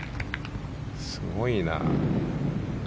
すごいな。